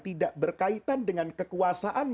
tidak berkaitan dengan kekuasaan